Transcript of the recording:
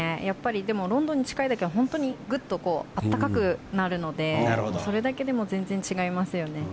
でも、ロンドンに近いだけ本当にグッと暖かくなるのでそれだけでも全然違いますよね。